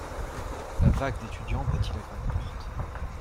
La vague d'étudiants battit la grande porte.